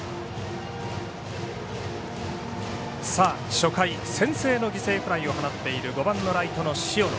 初回、先制の犠牲フライを放っている５番のライトの塩野。